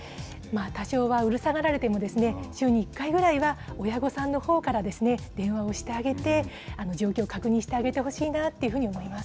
多少はうるさがられても、週に１回ぐらいは親御さんのほうから電話をしてあげて、状況を確認してあげてほしいなと思います。